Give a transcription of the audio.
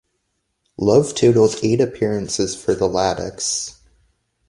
Love totalled eight appearances for the Latics.